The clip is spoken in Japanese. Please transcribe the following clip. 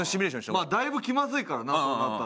まあだいぶ気まずいからなそうなったら。